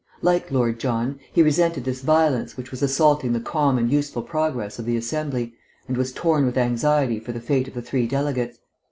Like Lord John, he resented this violence which was assaulting the calm and useful progress of the Assembly, and was torn with anxiety for the fate of the three delegates.